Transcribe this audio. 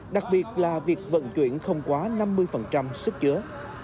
đặc biệt là việc vận chuyển không quá năm mươi sức chứa